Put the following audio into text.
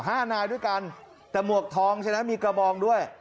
ห้านายด้วยกันแต่หมวกทองใช่ไหมมีกระบองด้วย